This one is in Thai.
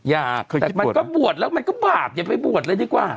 แต่มันก็บวชแล้วมันก็บาปอย่าไปบวชเลยดีกว่า